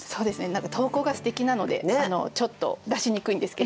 何か投稿がすてきなのでちょっと出しにくいんですけど。